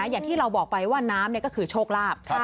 อย่างที่เราบอกไปว่าน้ำก็คือโชคลาภ